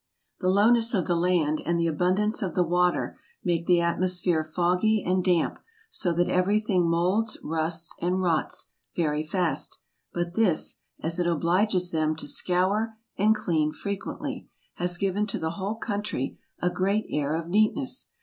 The lowness of the land, and the abundance of the water, make the atmosphere foggy and damp, so that every thing moulds, rusts, and rots, very fast: but this, as it obliges them to scour and clean frequently, has given to the whole country a great air of neatness.